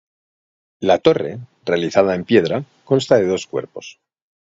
La torre, realizada en piedra, consta de dos cuerpos.